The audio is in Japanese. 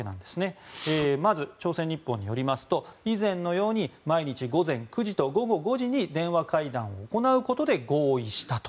まず朝鮮日報によりますと以前のように毎日午前９時と午後５時に電話会談を行うことで合意したと。